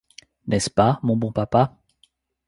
N'est-ce pas, mon bon papa ?